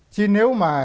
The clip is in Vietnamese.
chứ nếu mà